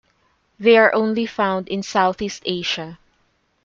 They are only found in Southeast Asia.